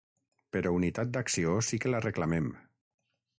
Però unitat d’acció sí que la reclamem.